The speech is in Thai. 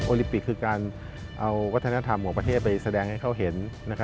ลิปิกคือการเอาวัฒนธรรมของประเทศไปแสดงให้เขาเห็น